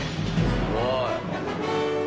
すごい！